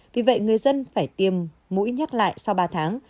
vì vậy người dân phải tiêm mũi nhắc lại sau ba tháng